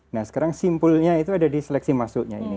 nah sekarang simpulnya itu ada di seleksi masuknya ini